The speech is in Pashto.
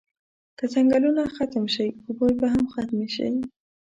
که ځنګلونه ختم شی اوبه به هم ختمی شی